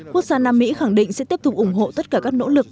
quốc gia nam mỹ khẳng định sẽ tiếp tục ủng hộ tất cả các nỗ lực